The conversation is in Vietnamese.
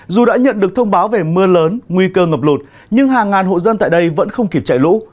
dù đã nhận được thông báo về mưa lớn nguy cơ ngập lụt nhưng hàng ngàn hộ dân tại đây vẫn không kịp chạy lũ